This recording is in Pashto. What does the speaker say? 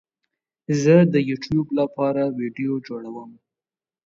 زه د یوټیوب لپاره ویډیو جوړوم